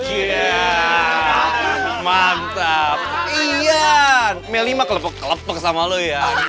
iya mantap iya meli mah kelepek kelepek sama lu ya